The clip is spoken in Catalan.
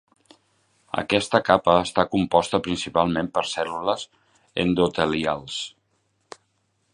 Aquesta capa està composta principalment per cèl·lules endotelials.